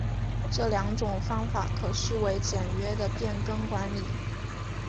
这两种方法可视为简约的变更管理。